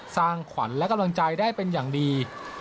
สร้างขวัญและกำลังใจได้เป็นอย่างดี